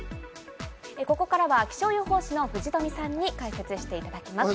ここからは気象予報士の藤富さんに解説していただきます。